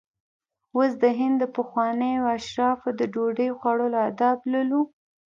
اوس د هند د پخوانیو اشرافو د ډوډۍ خوړلو آداب لولو.